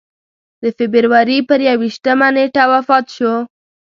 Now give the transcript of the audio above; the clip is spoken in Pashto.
د فبروري پر یوویشتمه نېټه وفات شو.